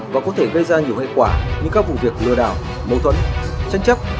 và có thể gây ra nhiều hệ quả như các vụ việc lừa đạo mâu thuẫn chân chấp